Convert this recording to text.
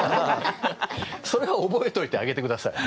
それは覚えといてあげてください。